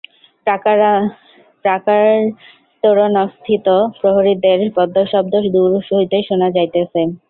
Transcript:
প্রাকারতোরণস্থিত প্রহরীদের পদশব্দ দূর হইতে শুনা যাইতেছে।